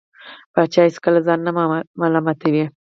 پاچا هېڅکله ځان نه ملامتوي .